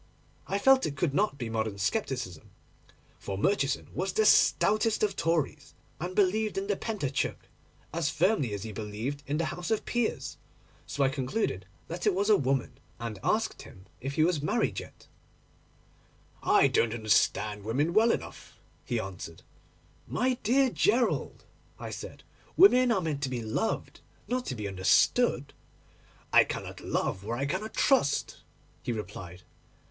I felt it could not be modern scepticism, for Murchison was the stoutest of Tories, and believed in the Pentateuch as firmly as he believed in the House of Peers; so I concluded that it was a woman, and asked him if he was married yet. 'I don't understand women well enough,' he answered. 'My dear Gerald,' I said, 'women are meant to be loved, not to be understood.' 'I cannot love where I cannot trust,' he replied.